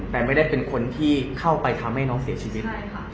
แต่ไม่ได้เป็นคนที่เข้าไปทำให้น้องเสียชีวิต